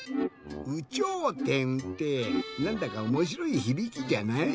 「有頂天」ってなんだかおもしろいひびきじゃない？